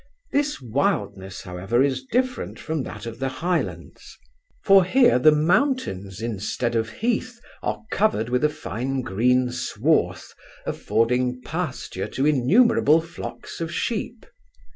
This wildness, however, is different from that of the Highlands; for here the mountains, instead of heath, are covered with a fine green swarth, affording pasture to innumerable flocks of sheep.